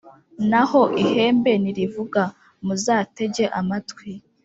Naho ihembe nirivuga, muzatege amatwi.